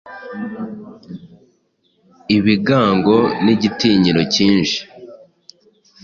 ibigango n’igitinyiro kinshi